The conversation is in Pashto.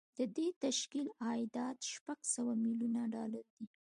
د دې تشکیل عایدات شپږ سوه میلیونه ډالر دي